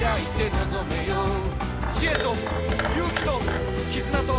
「知恵と勇気ときずなと」